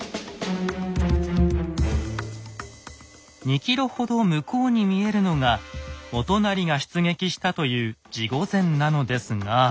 ２ｋｍほど向こうに見えるのが元就が出撃したという地御前なのですが。